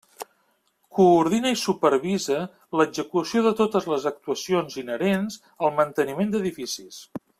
Coordina i supervisa l'execució de totes les actuacions inherents al manteniment d'edificis.